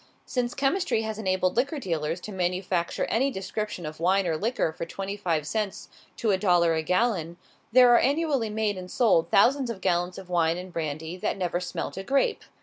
Since chemistry has enabled liquor dealers to manufacture any description of wine or liquor for twenty five cents to a dollar a gallon, there are annually made and sold thousands of gallons of wine and brandy that never smelt a grape.